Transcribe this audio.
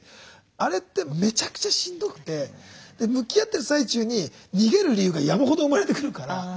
あれってめちゃくちゃしんどくて向き合ってる最中に逃げる理由が山ほど生まれてくるから。